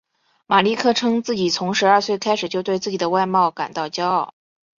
马利克称自己从十二岁开始就对自己的外貌感到骄傲。